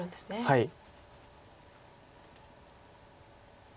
はい。